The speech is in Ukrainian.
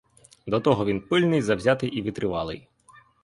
До того він пильний, завзятий і витривалий.